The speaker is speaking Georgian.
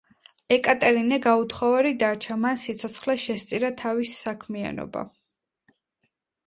ეკატერინე გაუთხოვარი დარჩა, მან სიცოცხლე შესწირა თავის საქმიანობა.